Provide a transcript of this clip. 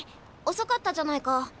遅かったじゃないか。